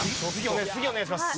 次お願いします。